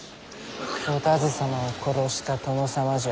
お田鶴様を殺した殿様じゃ。